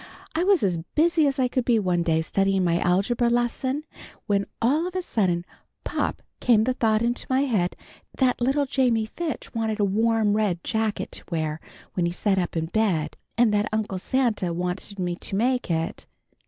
"I was as busy as I could be one day, studying my Algebra lesson, when all of a sudden, pop came the thought into my head that little Jamie Fitch wanted a warm red jacket to wear when he sat up in bed, and that Uncle Santa wanted me to make it.